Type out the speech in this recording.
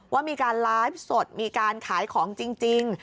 ว่ามีการไลฟ์สดมีการขายของจริง